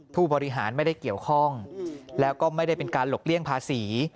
ผู้บริหารไม่ได้เกี่ยวข้องแล้วก็ไม่ได้เป็นการหลบเลี่ยงภาษี